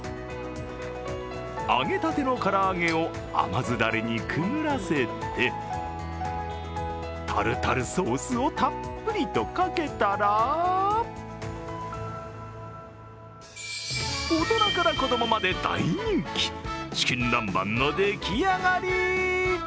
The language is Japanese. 揚げたての唐揚げを甘酢だれにくぐらせてタルタルソースをたっぷりとかけたら大人から子供まで大人気、チキン南蛮のでき上がり。